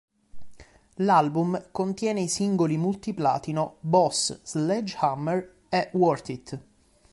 L'album contiene i singoli multiplatino "Boss", "Sledgehammer" e "Worth It".